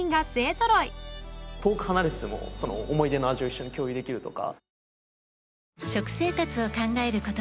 遠く離れてても思い出の味を一緒に共有できるとか。